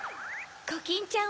コキンちゃん